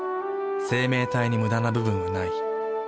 生命体にムダな部分はない。